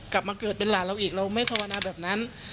กลับมาเกิดเป็นหลานเราอีกเราไม่ภาวนาแบบนั้น